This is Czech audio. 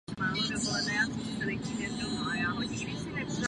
V České republice kvete od července do září.